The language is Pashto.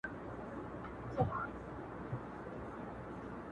دروازې، کلکیان، هنداري او المارۍ و بریښول سي